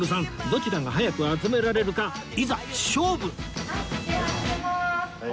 どちらが早く集められるかいざ勝負！では始めます。